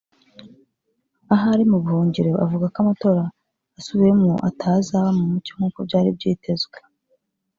aho ari mu buhungiro avuga ko amatora asubiwemo atazaba mu mucyo nkuko byari byitezwe